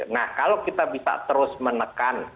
nah kalau kita bisa terus menekan